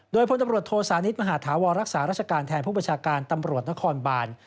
โดยพลตำรวจโทสานิทมหาธาวรรักษาราชการแทนผู้บัญชาการตำรวจนครบาน